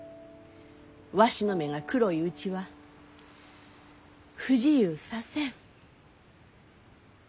わしの目が黒いうちは不自由させん。